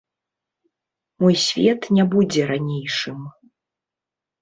Мой свет не будзе ранейшым.